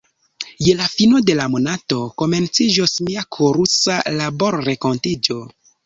Je la fino de la monato komenciĝos mia korusa laborrenkontiĝo.